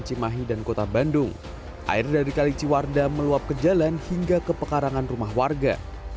cimahi dan kota bandung air dari kali ciwarda meluap ke jalan hingga ke pekarangan rumah warga